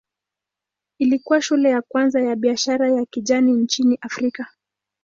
Ilikuwa shule ya kwanza ya biashara ya kijani nchini Afrika.